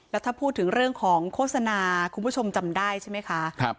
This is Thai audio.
แล้วถ้าพูดถึงเรื่องของโฆษณาคุณผู้ชมจำได้ใช่ไหมคะ